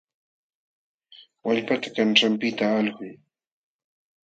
Wallpata kanćhanpiqta alquy.